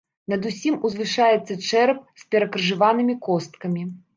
Над усім узвышаецца чэрап з перакрыжаванымі косткамі.